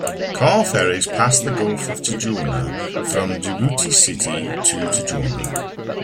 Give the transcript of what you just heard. Car ferries pass the Gulf of Tadjoura from Djibouti City to Tadjoura.